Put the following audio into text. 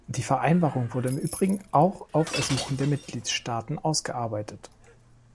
Die Vereinbarung wurde im übrigen auch auf Ersuchen der Mitgliedstaaten ausgearbeitet.